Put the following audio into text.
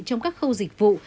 trong các khâu dịch vụ